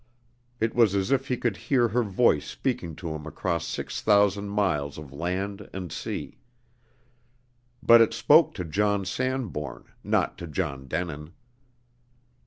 It was as if he could hear her voice speaking to him across six thousand miles of land and sea. But it spoke to John Sanbourne, not to John Denin.